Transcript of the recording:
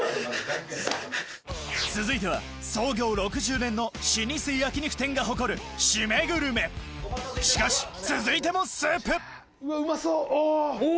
続いては創業６０年の老舗焼肉店が誇るシメグルメしかし続いてもスープうわうまそうおぉ。